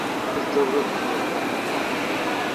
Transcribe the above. سو اسی سوا زارورت پورہ تھو۔